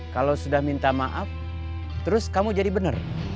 kalau sudah minta maaf terus kamu jadi benar